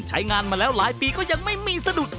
ใช้งานมาแล้วหลายปีก็ยังไม่มีสะดุด